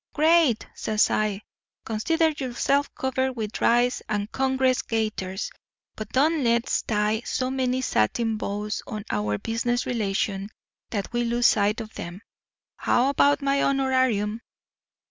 "'Great!' says I. 'Consider yourself covered with rice and Congress gaiters. But don't let's tie so many satin bows on our business relations that we lose sight of 'em. How about my honorarium?